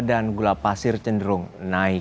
dan gula pasir cenderung naik